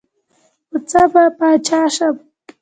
پۀ څۀ به باچا شم ـ